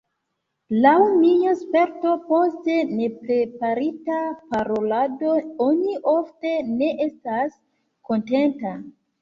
Laŭ mia sperto, post nepreparita parolado oni ofte ne estas kontenta.